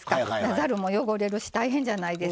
ざるも汚れるし大変じゃないですか。